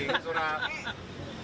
undangannya jatuh bingit